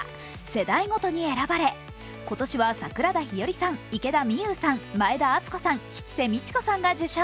世代ごとに選ばれ、今年は、桜田ひよりさん池田美優さん、前田敦子さん、吉瀬美智子さんが受賞。